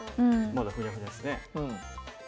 まだふにゃふにゃですね。